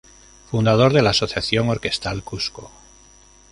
Fundador de la Asociación Orquestal Cusco.